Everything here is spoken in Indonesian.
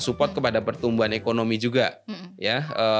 support kepada pertumbuhan ekonomi juga ya